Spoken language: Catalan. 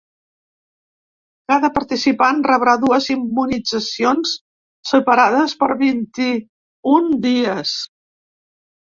Cada participant rebrà dues immunitzacions separades per vint-i-un dies.